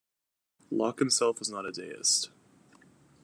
Locke himself was not a deist.